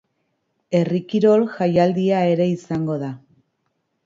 Herri kirol jaialdia ere izango da.